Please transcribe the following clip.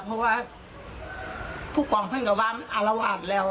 เพราะว่าผู้ความเครื่องกันว่ามันอารวาดแล้ว